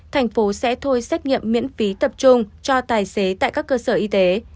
thành phố sẽ thôi xét nghiệm miễn phí tập trung cho tài xế tại các cơ sở y tế